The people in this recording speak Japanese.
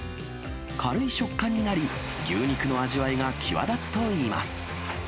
軽い食感になり、牛肉の味わいが際立つといいます。